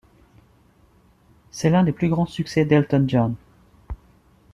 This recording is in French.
C'est l'un des plus grands succès d'Elton John.